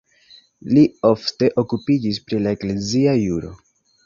Li ofte okupiĝis pri la eklezia juro.